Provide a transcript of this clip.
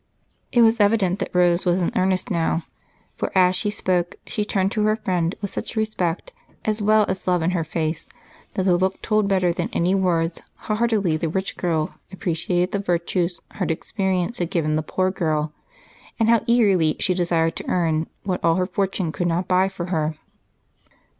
It was evident that Rose was in earnest now, for as she spoke she turned to her friend with such respect as well as love in her face that the look told better than any words how heartily the rich girl appreciated the virtues hard experience had given the poor girl, and how eagerly she desired to earn what all her fortune could not buy for her.